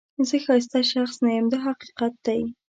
زه ښایسته شخص نه یم دا حقیقت دی.